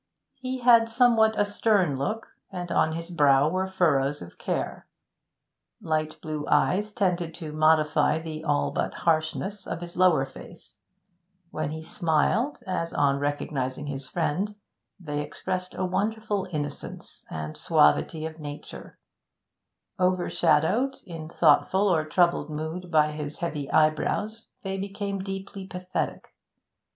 He had somewhat a stern look, and on his brow were furrows of care. Light blue eyes tended to modify the all but harshness of his lower face; when he smiled, as on recognising his friend, they expressed a wonderful innocence and suavity of nature; overshadowed, in thoughtful or troubled mood, by his heavy eyebrows, they became deeply pathetic.